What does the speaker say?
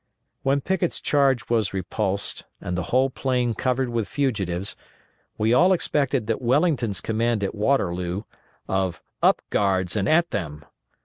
When Pickett's charge was repulsed, and the whole plain covered with fugitives, we all expected that Wellington's command at Waterloo, of _"Up, guards, and at them!"